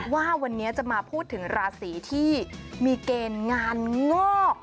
ว่าวันนี้จะมาพูดถึงราศีที่มีเกณฑ์งานงอก